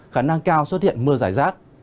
khả năng cao xuất hiện mưa rải rác